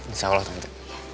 insya allah tante